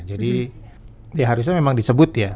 jadi ya harusnya memang disebut ya